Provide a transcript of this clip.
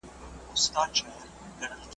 د ښکاري او د مېرمني ورته پام سو .